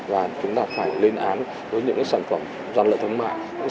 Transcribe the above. và chúng ta phải lên án với những sản phẩm doanh lợi thống mạng